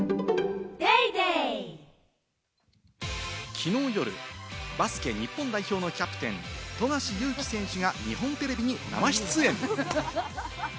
きのう夜、バスケ日本代表のキャプテン・富樫勇樹選手が日本テレビに生出演。